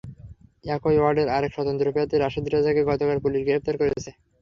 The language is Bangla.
একই ওয়ার্ডের আরেক স্বতন্ত্র প্রার্থী রাশেদ রেজাকে গতকাল পুলিশ গ্রেপ্তার করেছে।